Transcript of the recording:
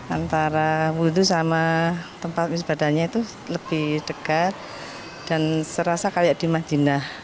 antara wudhu sama tempat misbadanya itu lebih dekat dan serasa kayak di madinah